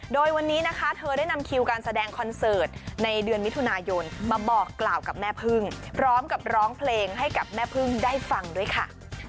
โดยวันนี้นะคะเธอได้นำคิวการแสดงคอนเสิร์ตในเดือนมิถุนายนมาบอกกล่าวกับแม่พึ่งพร้อมกับร้องเพลงให้กับแม่พึ่งได้ฟังด้วยค่ะ